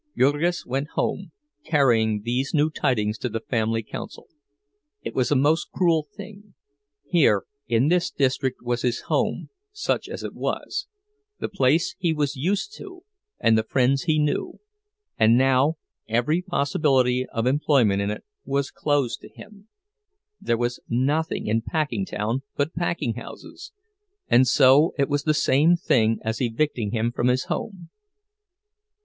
Jurgis went home, carrying these new tidings to the family council. It was a most cruel thing; here in this district was his home, such as it was, the place he was used to and the friends he knew—and now every possibility of employment in it was closed to him. There was nothing in Packingtown but packing houses; and so it was the same thing as evicting him from his home.